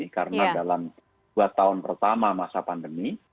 karena dalam dua tahun pertama masa pandemi